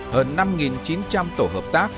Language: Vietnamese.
hơn năm chín trăm linh tổ hợp tác